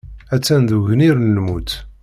Attan deg ugnir n lmut.